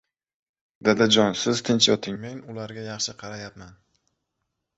«Dadajon, siz tinch yoting. Men ularga yaxshi qarayapman»...